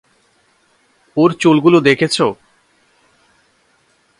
ওর চুলগুলো দেখেছ?